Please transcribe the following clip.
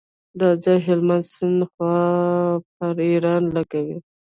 دا ځای هلمند سیند خوله پر ایران لګوي.